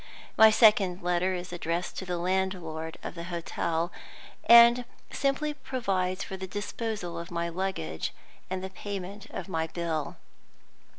My second letter is addressed to the landlord of the hotel, and simply provides for the disposal of my luggage and the payment of my bill.